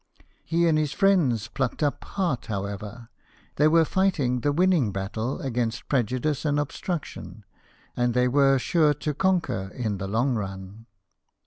He and his friends plucked up heart, however ; they were fighting the winning battle against prejudice and obstruction, and they were sure to conquer in the long run.